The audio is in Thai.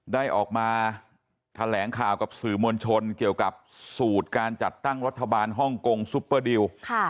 ได้ออกมาแถลงข่าวกับสื่อมวลชนเกี่ยวกับสูตรการจัดตั้งรัฐบาลฮ่องกงซุปเปอร์ดิว